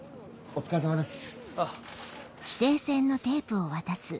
お疲れさまです。